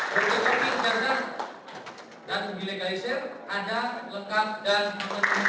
teknologi jernak dan delegalisir ada lengkap dan menentukan